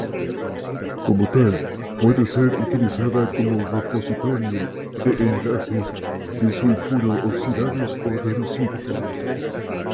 Como tal, puede ser utilizada como repositorio de enlaces disulfuro oxidados o reducidos.